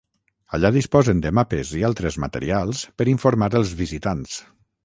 Allà disposen de mapes i altres materials per informar els visitants.